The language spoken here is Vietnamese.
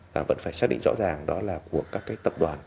và vẫn phải xác định rõ ràng đó là của các cái tập đoàn